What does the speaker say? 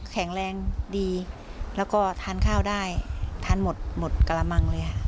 แข็งแรงดีแล้วก็ทานข้าวได้ทานหมดหมดกระมังเลยค่ะ